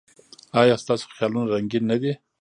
ایا ستاسو خیالونه رنګین نه دي؟